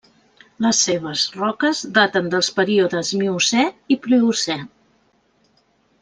Les seves roques daten dels períodes miocè i Pliocè.